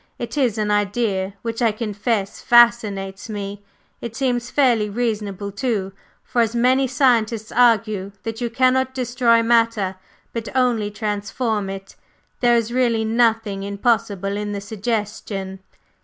It is an idea which I confess fascinates me. It seems fairly reasonable too, for, as many scientists argue that you cannot destroy matter, but only transform it, there is really nothing impossible in the suggestion."